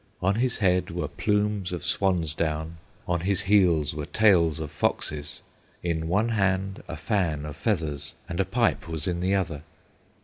On his head were plumes of swan's down, On his heels were tails of foxes, In one hand a fan of feathers, And a pipe was in the other.